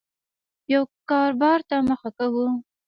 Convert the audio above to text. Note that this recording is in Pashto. یو کاربار ته مخه کوو